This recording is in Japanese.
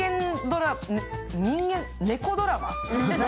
人間猫ドラマ？